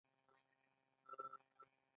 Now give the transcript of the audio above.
ځواب نه دی ځکه شرایط لري.